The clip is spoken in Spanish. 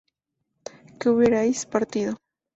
que hubierais partido